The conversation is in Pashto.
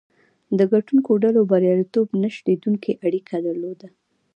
د ګټونکو ډلو بریالیتوب نه شلېدونکې اړیکه درلوده.